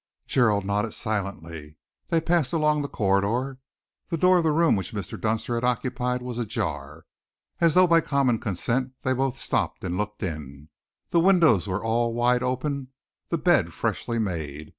Gerald nodded silently. They passed along the corridor. The door of the room which Mr. Dunster had occupied was ajar. As though by common consent, they both stopped and looked in. The windows were all wide open, the bed freshly made.